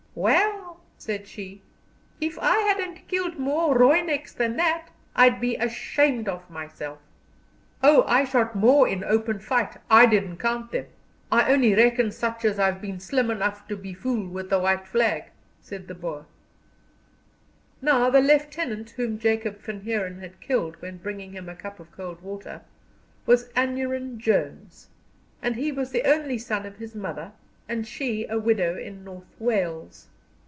"Well," said she, "if I hadn't killed more Rooineks than that, I'd be ashamed of myself." "Oh, I shot more in open fight. I didn't count them; I only reckon such as I've been slim enough to befool with the white flag," said the Boer. Now the lieutenant whom Jacob Van Heeren had killed when bringing him a cup of cold water, was Aneurin Jones, and he was the only son of his mother, and she a widow in North Wales.